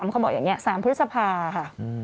เขาบอกอย่างนี้๓พฤษภาค่ะ